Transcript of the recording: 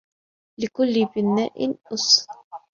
وَلِكُلِّ بِنَاءٍ أُسٌّ